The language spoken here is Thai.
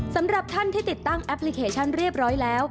สำหรับท่านที่ติดตั้งแอปพลิเคชันเรียบร้อยแล้ว